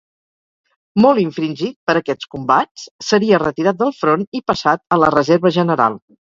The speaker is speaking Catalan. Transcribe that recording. Molt infringit per aquests combats, seria retirat del front i passat a la reserva general.